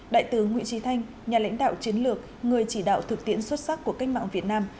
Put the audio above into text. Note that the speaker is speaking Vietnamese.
đại tướng nguyễn trí thanh nhà lãnh đạo chiến lược người chỉ đạo thực tiễn xuất sắc của cách mạng việt nam